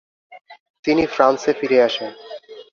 তিনি ফ্রান্সে ফিরে আসেন।